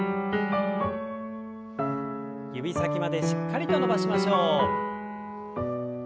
指先までしっかりと伸ばしましょう。